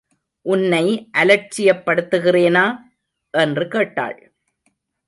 உன்னை அலட்சிப் படுத்துகிறேனா? என்று கேட்டாள்.